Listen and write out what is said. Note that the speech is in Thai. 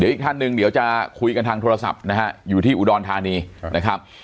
อีกท่านหนึ่งเดี๋ยวจะคุยกันทางโทรศัพท์นะฮะอยู่ที่อุดรธานีนะครับ